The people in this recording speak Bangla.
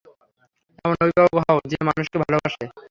এমন অভিভাবক হও যে মানুষকে ভালোবাসে।